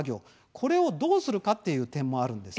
これを、どうするかという点もあるんです。